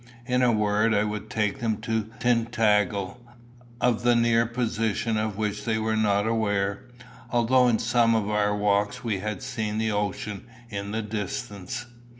In a word I would take them to Tintagel, of the near position of which they were not aware, although in some of our walks we had seen the ocean in the distance.